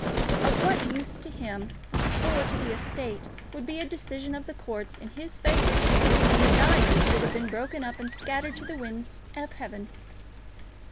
Of what use to him or to the estate would be a decision of the courts in his favour when the diamonds should have been broken up and scattered to the winds of heaven?